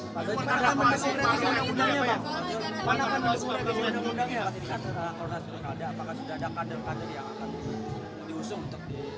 apakah sudah ada kader kader yang akan diusung